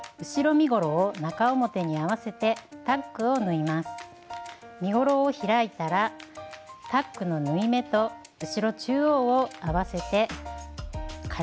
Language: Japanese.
身ごろを開いたらタックの縫い目と後ろ中央を合わせて仮留めします。